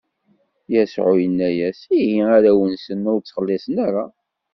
Yasuɛ inna-as: Ihi, arraw-nsen ur ttxelliṣen ara.